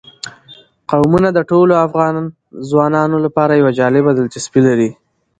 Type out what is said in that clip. قومونه د ټولو افغان ځوانانو لپاره یوه جالبه دلچسپي لري.